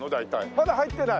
まだ入ってない？